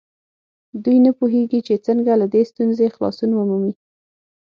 دوی نه پوهېږي چې څنګه له دې ستونزې خلاصون ومومي.